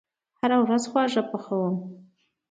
هره ورځ خواړه پخوم